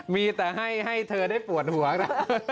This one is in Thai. มีแต่ให้เธอได้ปวดหัวนะ